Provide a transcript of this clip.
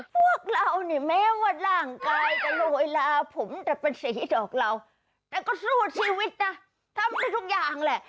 พวกเรานี่แม้ว่าร่างกายจะโรยลาผมจะเป็นสีดอกเหล่าแต่ก็สู้ชีวิตนะทำได้ทุกอย่างแหละ